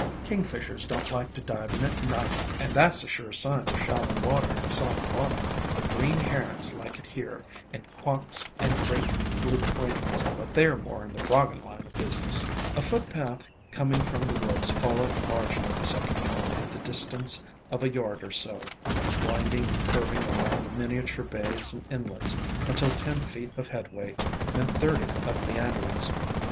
King fishers don't like to dive in it neither, and that 's a sure sign of shallow water and soft bottom. But green herons like it here, and quawks and great blue cranes, but they 're more in the frogging line o' business." A foot path coming from the woods followed the margin of the second pond at the distance of a yard or so, winding and curving around the minia ture bays and inlets until ten feet of headway meant thirty of meanderings.